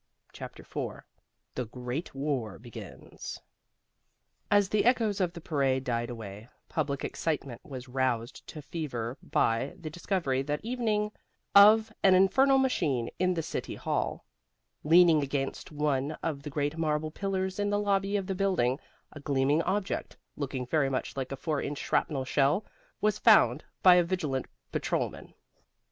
CHAPTER IV THE GREAT WAR BEGINS As the echoes of the parade died away, public excitement was roused to fever by the discovery that evening of an infernal machine in the City Hall. Leaning against one of the great marble pillars in the lobby of the building, a gleaming object (looking very much like a four inch shrapnel shell) was found by a vigilant patrolman.